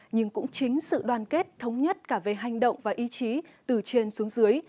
nhưng cũng chính sự đoàn kết thống nhất cả về hành động và ý chí từ trên xuống dưới